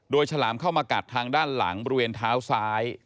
โดยฉลามเข้ามากัดทางด้านหลังบริเวณเท้าซ้าย